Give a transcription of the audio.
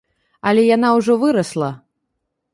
Але яна ўжо вырасла!